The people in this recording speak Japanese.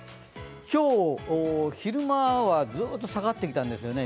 今日、昼間はずっと下がってきたんですよね。